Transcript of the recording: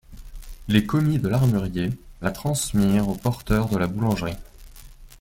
Les commis de l'armurier la transmirent aux porteurs de la boulangerie.